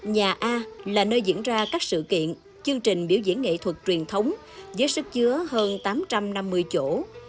nhà a là nơi diễn ra các sự kiện chương trình biểu diễn nghệ thuật truyền thống với sức chứa hơn tám trăm năm mươi chỗ